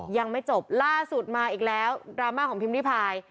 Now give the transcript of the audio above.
ยังไม่จบล่าสุดมาอีกแล้วดราม่าของพิมพิพาย